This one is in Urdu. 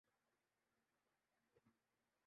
بیمار معیشت کی بحالی لیگ کا عظیم کارنامہ ہے شہباز شریف